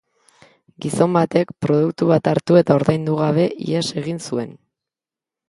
Gizon batek produktu bat hartu eta ordaindu gabe ihes egin zuen.